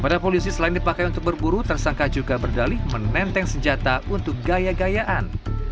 pada polisi selain dipakai untuk berburu tersangka juga berdalih menenteng senjata untuk gaya gayaan